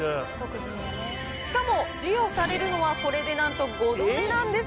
しかも、授与されるのは、これでなんと５度目なんです。